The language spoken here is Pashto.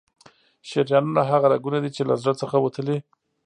شریانونه هغه رګونه دي چې له زړه څخه وتلي.